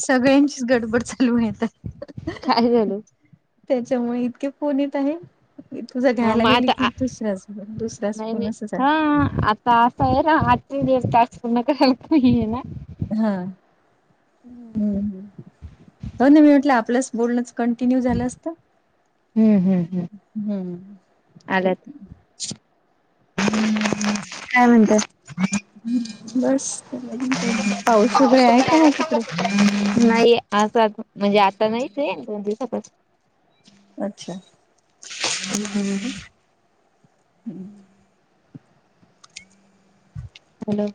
सगळ्यांचीच, गडबड चालू आहे आता. काय झालं? त्याच्यामुळे इतके फोणीेत आहे ी तुझा हा घ्यायला मग गेली आता की आ दुसऱ्या दुसरा्याच फण अस झालं तसा आहेर आ्ट का हल्पे ना हा, हम्म्.. हम्म हम्म्. हो, ना. मी म्हटलं, आपलंच बोलणंच कंटिन्यू झालं असतं. हम्म... हम्.. हम्. हम्म्. आलात, [unintelligible] काय म्हणतात? ह् बस पाऊस वगैरे आहे का मग तिकडे नाही अस म्हणजे आता नाहीच दोन दिवसातच अच्छा ह हम ह् हॅलो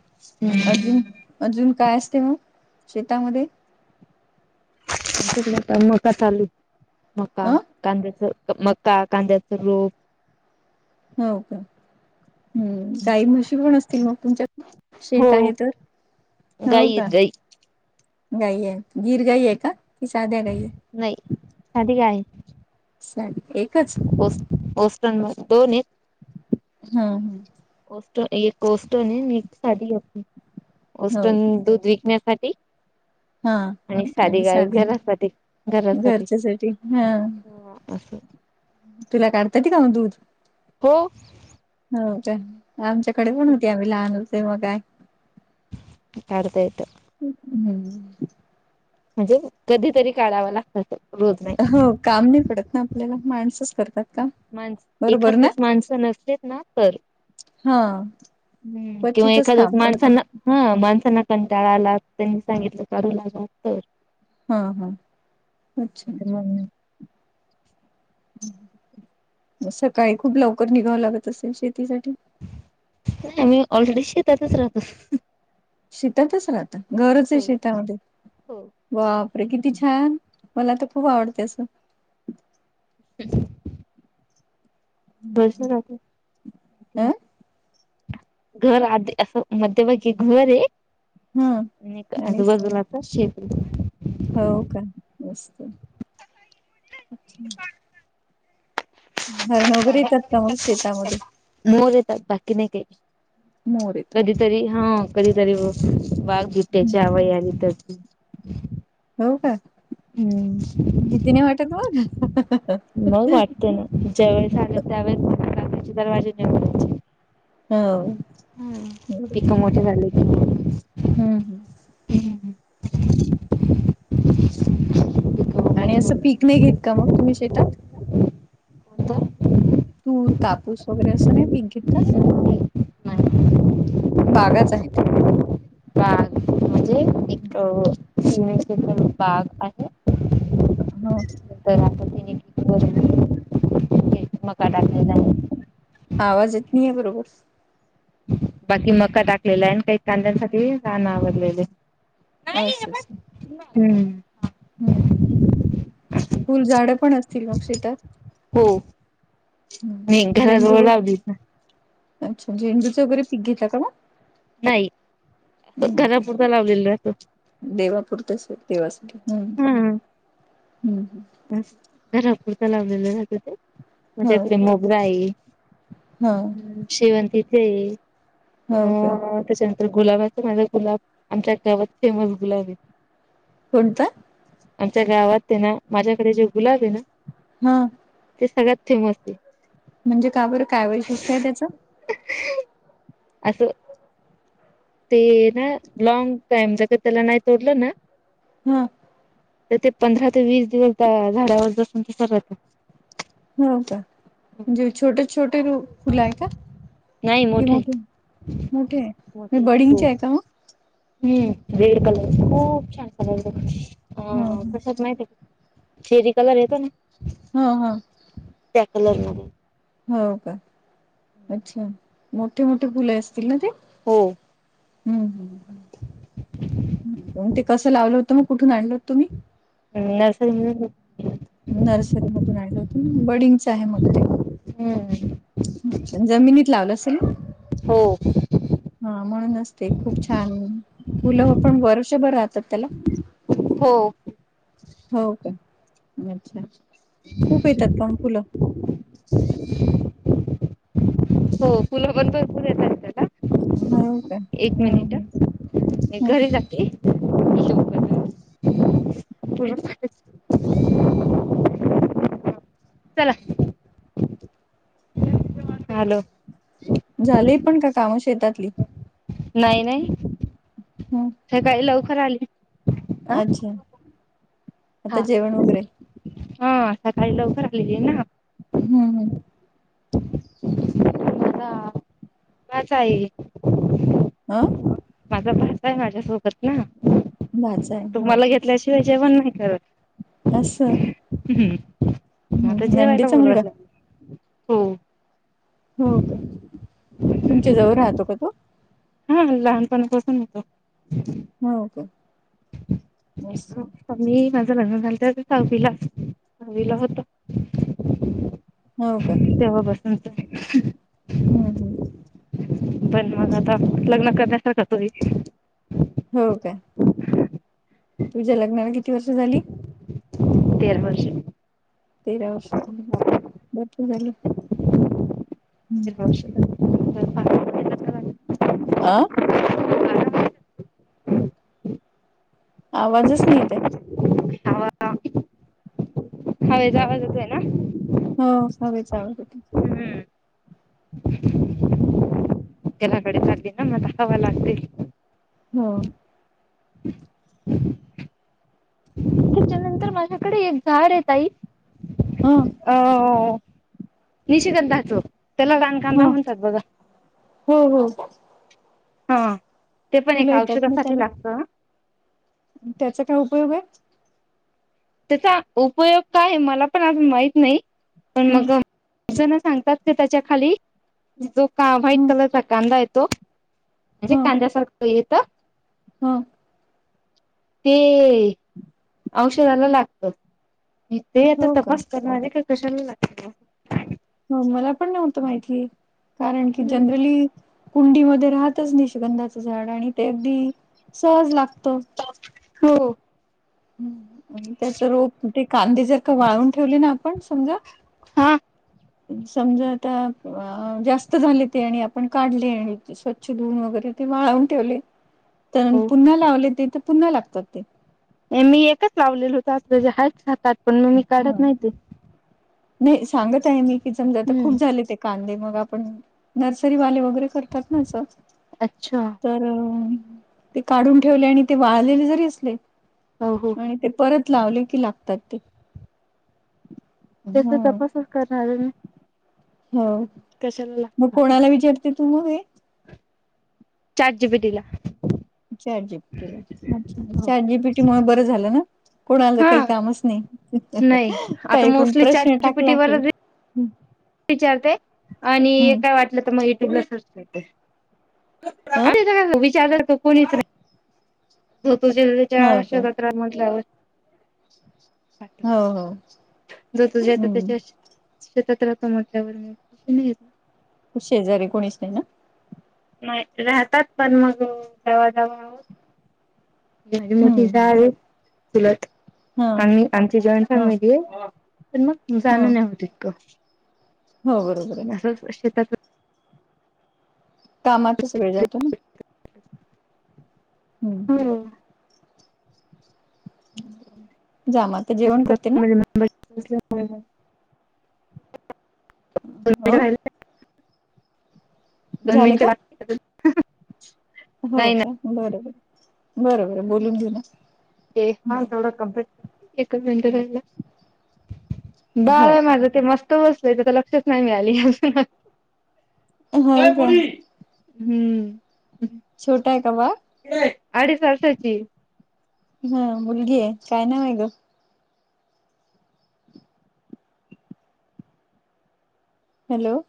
अजून अजून काय असते मग शेतामध्ये च्याकडे आता मका चालू मका अ कांद्याच मका कांद्याचं रोप हो का हम्म काही म्हशी पण असतील मग तुमच्यात शेट हो आहे तर गाई हो का आहेत गाई गाईये गिर गाई आहेे का? कि साध्या गाई आहे नाही साधी गाय. साधी एकच. चांगलाय दोन ये. हा. हा. ओस्ट एक ओस्टन ये, एक साधी ओस्टन. हा हो ओस्टन दूध विकण्यासाठी. हा आणि साधी गाय घरासाठी घरासाठी हा असं. तुला काढता येत का मग दूध. हो. हो का, आमच्याकडे पण होती. आम्ही लहान होतो तेव्हा गाय. काढता येत. हम्म. म्हणजे कधीतरी काढावं लागत ते. हो, काम नाही पडत ना आपल्याला, माणसच करतात. काम माणस बरोबर एखादं ना वेळ माणसं नसलेत ना तर, हा. हम्म. किंवा क्वचितच एखादच काम वेळ पडते माणसांना हं. माणसांना कंटाळाला त्यांनी सांगितलं करू लागा. तर हां हां अच्छा. नाही सकाळी खूप लवकर निघावं लागत असेल शेतीसाठी. आम्ही ऑलरेडी शेतातच राहतो. शेतातच राहता. घरच आहे हो शेतामध्ये. हो बापरे! किती छान मला तर खूप आवडते असं. हं. बसने जाते. अ घर आध असं, मध्यभागी घर आहे. ह आणि एक आजूबाजूलाचं शेती. हो का, मस्त अच्छा. हरणो वगैरे येतात का ओ शेतामध्ये. मोर येतात बाकी नाही काही, मोर येतात. कधीतरी हा कधीतरी ब [unintelligible] हो का, भीती नाही वाटत मग. जा वेळेस आले त्यावेळेस, रातचे दरवाजे नि [unintelligible] हो, येवढंच पिक काय मोठे झाले की हम्म हम. पिक आणि मोठे असं झाले पीक नाही घेत की का, मग तुम्ही शेतात. कोणत? तूर कापूस वगैरे असं, नाही पिक घेत का? नाही बागाच आहेत. बाग म्हणजे एक बाग आहे. हं.. त्यानंतर तिने एकर मका टाकलेल आहे. आवाज येत नाही ये बरोबर. बाकी मका टाकलेला आहे, आणि काही कांद्यांसाठी राहणं आवरलेल ये. अस. अस. हम्म हम्. फुलझाडं पण असतील मग शेतात. हो नाही घराजवळ झेंडू लावली ना अच्छा, झेंडूचं वगैरे पीक घेता का मग. नाही घरापूरत लावलेल राहतो. देवापुरते असल देवासाठी, हम्म हम्म. घरापुरतं लावलेलं जातं ते, हो माझ्याकडे मोगरा आहे. हो हम्म शेवती इथे ये हो का अं.. तेच्या तर गुलाबाच माे गुलाब आमच्या गावात फेमस गुलाबी कोणता? आमच्या गावात ते ना माझ्याकडे जो गुलाब आहे ना हम्म ते सगळ्यात फेमस आहे. म्हणजे का बरं काय वैशिष्ट्य आहे त्याचं? असं ते ना लॉंग टाइम जग का त्याला नाही तोडलं ना हम्म तर ते पंधरा ते वीस दिवस झाडावर असं जगत राहत. हो का म्हणजे छोटे छोटे फुलं आहे का? नाही कि मोठं आहे मोठे मोठे आहे म मोठे हो. बडिंगचे आहे का मग? हम्म रेड कलर खूप छान कलर हा ह कशेत माहिती आहे. चेरी कलर येतो ना हा हा हॅलो मॅम हो का अच्छा मोठे मोठे फुले असतील ना ते हो हम्म म ते कसं लावलं होतं मग कुठून आणल होत तुम्ही? मी नर्सरी नर्सरी मधून आणले होते बडिंगच आहे मग ते. हम्म अच्छा जमिनीत लावलं असेल. हो हा म्हणून असते खूप छान फुलं पण वर्षभर राहतात त्याला हो हो का अच्छा खूप येतात पण फुलं हो फुलं पण पण फुल येत आहेत त्या का हो का? एक हम्म मिनिट हम्म. घरी जाते. हम्म फुला चला हॅलो झालं पण का कामं शेतातली? नाही नाही हम्म सकाळी लवकर आली. अ अच्छा. आता जेवण वगैरे. हा सकाळी लवकर आलेली ना. हम्म हम्म. [inaudible] अ. माझा भाचा आहे माझ्यासोबत ना भाचा आहे तो हो मला का घेतल्याशिवाय जेवण नाही करत. असं हम्म आता हं जेवायला नंदेचा मुलगा बोलवायला जाते हो. हो का तुमच्या जवळ राहतो का तो? हम्म लहानपणापासून आहे तो. हो का असं होतो मी माझं लग्न झालं तेव्हा तो सहावीला सहावीला होत. हो का तेव्हा पासूनच आहे. हम्म हम्. पण मग आता लग्न करण्यासारखा तोही. हो काय. [inaudible] तुमच्या लग्नाला की किती वर्ष झाली. तेर वर्ष. तेरा वर्ष बापरे भरपूर झालं. तेरा वर्षं झाली. अ आवाजच नाही येत आहे. हवेचा हो आवाज येतोय ना. हो हवेचा आवाज येतो. हम्. [inaudible] मग हवा लागते ह. त्याच्यानंतर माझ्याकडे एक झाड आहे ताई हं अ निशीगंधाच त्याला रानकांदा ह म्हणतात बघा हो हो. हा ते पण ए फुलं येतात ना औषधासाठी त्याला लागतं हा. त्याचा काय उपयोग आहे. त्याचा उपयोग काय आहे मला पण अजून माहीत नाही पण हं मग जण सांगतात का त्याच्या खाली जो का व्हाईट हं कलरचा कांदा येतो म्हणजे कांद्यासारख येत ह ते औषधाला लागत आणि ते आता हो का तपास करणारे का कशाला लागत. हो मला पण नव्हतं माहिती कारण की जनरली कुंडीमध्ये राहतच निष्गंधाचं झाड आणि ते अगदी सहज लागत. हो त्याच रोप के कांदीे जर का वाळून ठेवली ना आपण समजा हा समजा आता जास्त झाले ते आणि आपण काढले आणि स्वच्छ धुऊन वगैरे ते वाळवून ठेवले तर हो पुन्हा लावले ते तर पुन्हा लागतात ते. मी एकच लावलेल होत अस झाड हातात पण मी काढत हा नाही ते. नाही सांगत आहे मी कि समजा आता खूप हम्म झाले ते कांदे मग आपण नर्सरी वाले वगैरे करतात ना असं अच्छा तर अ ते काढून ठेवले आणि ते वाळलेले जरी असले अ हो. आणि हो ते परत लावले की लागतात ते ह त्याचा तपासच करणार आहे मी हो कशाला मग लागत कोणाला विचारते तू म हे चार जी बी दिला चार जीपीटीला अच्छ चार जीपीटी मु बरं झालं ना कोणालं काही हा कामच नाही नाही आता काही पण मोस्टली प्रश्न चॅट जीपीटी टाकला का वरच विचारते आणि काय वाटलं तर मग युट्यूबला सर्च करते ह अरे का विचारार कोणीच रा तो हो का शत्रा मधल्यावर हो हो जो तुजेत हम्म त्याच्याशी शेतात रातो म्हटल्यावर म नाही शेजारी कोणीच नाही ना नाही राहतात पण मग कवा, कवा माझी मोठी हम्म जाऊ आहे चुलत हा आम्ही आमची जॉइन ह फॅमिली आहे तर मग ह जाण नाय होत इतकं हो बरोबर आहे असं शेतात कामाचाच वेळ जातो ना हा हम्म जाम आता तर जेवण करते ना अ दोन झाले का मिनिट बाकी आहेत अजून हो का बरोबर, बरोबर बोलून घेऊना ते हा थोड कम्प्लीट एक मिंट राहिला हो बाळ माझं ते मस्त बसल त्याचा लक्षच नाही मिळाली अजून हो का हम्म छोट आहे का बाळ? अडीच वर्षाची हा मुलगी आहे काय नाव आहे ग हॅलो